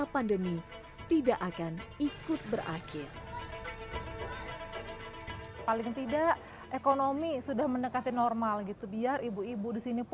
dan kita sangat berharap orang orang kreatif ini